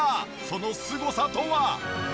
そのすごさとは？